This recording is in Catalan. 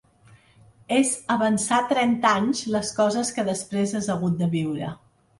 És avançar trenta anys les coses que després has hagut de viure.